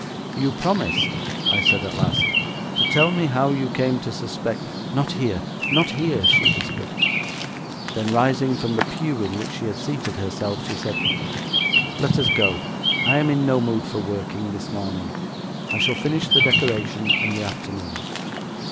'You promised,' I said at last, 'to tell me how you came to suspect ' 'Not here, not here,' she whispered; then rising from the pew in which she had seated herself, she said: 'Let us go, I am in no mood for working this morning. I shall finish the decoration in the afternoon.'